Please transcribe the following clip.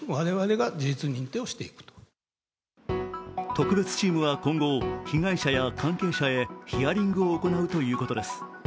特別チームは今後、被害者や関係者へヒアリングを行うということです。